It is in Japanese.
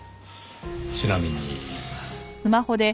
ちなみに。